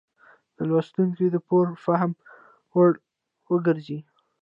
د لوستونکو د پوره فهم وړ وګرځي.